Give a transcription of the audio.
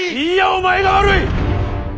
いいやお前が悪い！